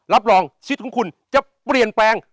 รับรองชีวิตของคุณจะเปลี่ยนแปลง